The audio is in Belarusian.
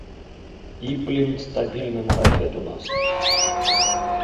І, блін, стабільны марафет у нас.